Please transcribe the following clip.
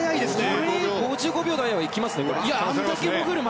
これで５５秒台はいきますね。